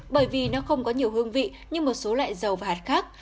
bởi vì nó không có nhiều hương vị như một số loại dầu và hạt khác